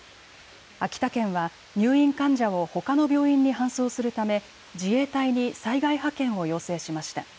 秋田県は入院患者をほかの病院に搬送するため自衛隊に災害派遣を要請しました。